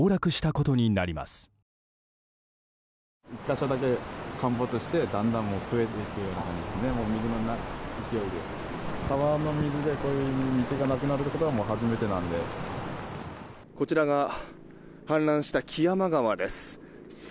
こちらが氾濫した木山川です。